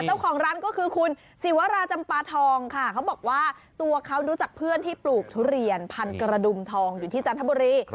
เจ้าของร้านก็คือคุณศิวราจำปาทองค่ะเขาบอกว่าตัวเขารู้จักเพื่อนที่ปลูกทุเรียนพันกระดุมทองอยู่ที่จันทบุรี